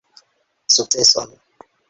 Sukceson!